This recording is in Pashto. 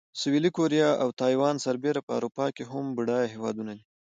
سویلي کوریا او تایوان سربېره په اروپا کې هم بډایه هېوادونه دي.